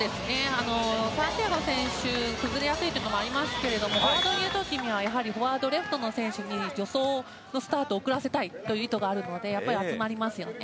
サンティアゴ選手崩れやすいというところもありますけどフォワードにいる時はレフトの選手に助走のスタートを遅らせたい意図があるので集まりますよね。